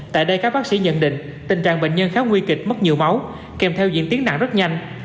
tại đây các bác sĩ nhận định tình trạng bệnh nhân khá nguy kịch mất nhiều máu kèm theo diễn tiến nặng rất nhanh